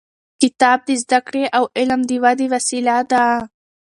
کتاب د زده کړې او علم د ودې وسیله ده.